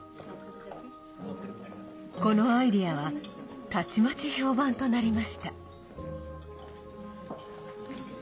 このアイデアはたちまち評判となりました。